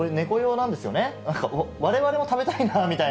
なんかわれわれも食べたいなみたいな。